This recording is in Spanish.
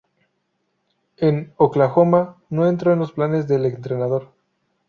En Oklahoma no entró en los planes del entrenador.